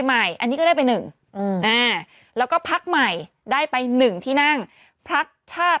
ใหม่อันนี้ก็ได้ไป๑แล้วก็พักใหม่ได้ไป๑ที่นั่งพักชาติ